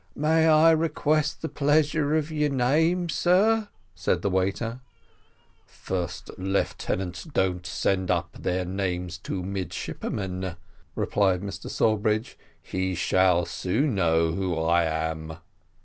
"May I request the pleasure of your name, sir?" said the waiter. "First lieutenants don't send up their names to midshipmen," replied Mr Sawbridge; "he shall soon know who I am."